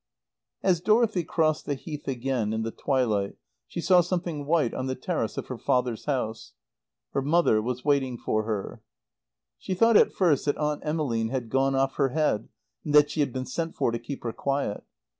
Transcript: As Dorothy crossed the Heath again in the twilight she saw something white on the terrace of her father's house. Her mother was waiting for her. She thought at first that Aunt Emmeline had gone off her head and that she had been sent for to keep her quiet.